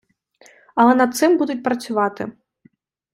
Але над цим будуть працювати.